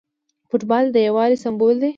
فوټبال د یووالي سمبول دی.